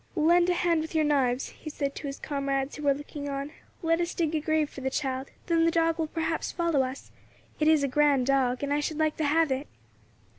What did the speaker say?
"Lend a hand with your knives," he said to his comrades, who were looking on; "let us dig a grave for the child, then the dog will perhaps follow us; it is a grand dog, and I should like to have it."